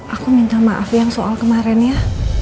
aku minta maaf yang soal kemarin ya